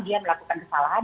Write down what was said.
dia melakukan kesalahan